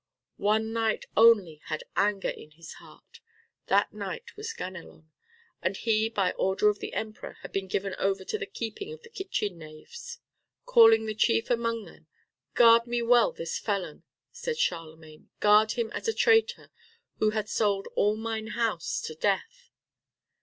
One knight only had anger in his heart. That knight was Ganelon. And he by order of the Emperor had been given over to the keeping of the kitchen knaves. Calling the chief among them, "Guard me well this felon," said Charlemagne, "guard him as a traitor, who hath sold all mine house to death."